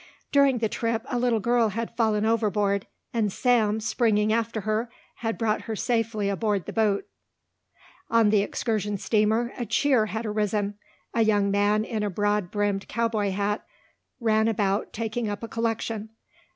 During the trip a little girl had fallen overboard and Sam, springing after her, had brought her safely aboard the boat. On the excursion steamer a cheer had arisen. A young man in a broad brimmed cowboy hat ran about taking up a collection.